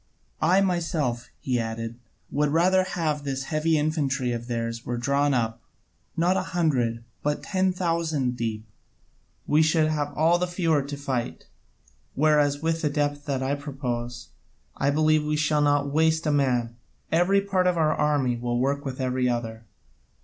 I myself," he added, "would rather this heavy infantry of theirs were drawn up, not a hundred, but ten thousand deep: we should have all the fewer to fight. Whereas with the depth that I propose, I believe we shall not waste a man: every part of our army will work with every other.